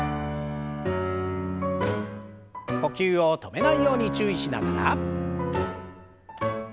呼吸を止めないように注意しながら。